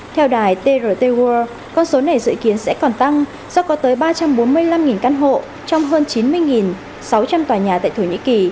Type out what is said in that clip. theo đài trt world con số này dự kiến sẽ còn tăng do có tới ba trăm bốn mươi năm căn hộ trong hơn chín mươi sáu trăm linh tòa nhà tại thổ nhĩ kỳ